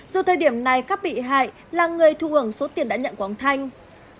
dù thời điểm này các bị hại là người thu hưởng số tiền đã nhận của ông thanh